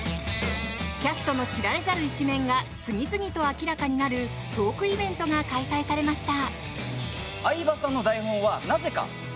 キャストの知られざる一面が次々と明らかになるトークイベントが開催されました。